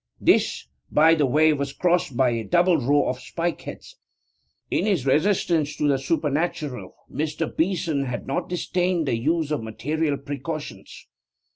This, by the way, was crossed by a double row of spikeheads. In his resistance to the supernatural, Mr. Beeson had not disdained the use of material precautions.